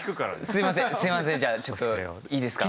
すいません。